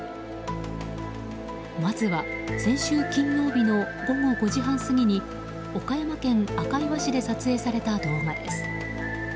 まずは、先週金曜日の午後５時半過ぎに岡山県赤磐市で撮影された動画です。